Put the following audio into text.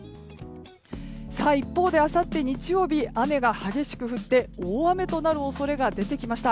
一方であさって日曜日雨が激しく降って大雨となる恐れが出てきました。